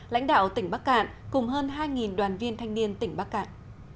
lãnh đạo tỉnh bắc cạn cùng hơn hai đoàn viên thanh niên tỉnh bắc cạn